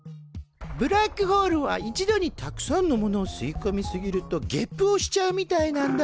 ブラックホールは一度にたくさんのものを吸いこみ過ぎるとゲップをしちゃうみたいなんだ。